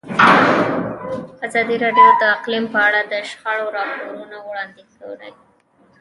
ازادي راډیو د اقلیم په اړه د شخړو راپورونه وړاندې کړي.